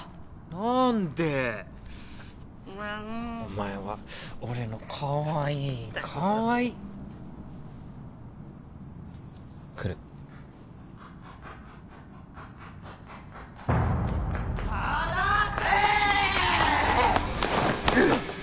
何でお前は俺のかわいいかわいい来る離せ！